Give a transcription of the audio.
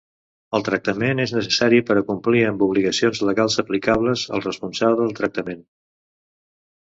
El tractament és necessari per complir amb obligacions legals aplicables al responsable del tractament.